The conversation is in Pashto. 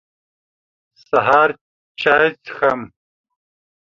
سهار چاي څښم.